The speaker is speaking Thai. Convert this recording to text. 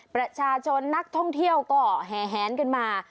ประชาชนนักท่องเที่ยวก็แหนกันมา